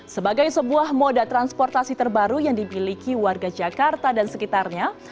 sebagai sebuah moda transportasi terbaru yang dimiliki warga jakarta dan sekitarnya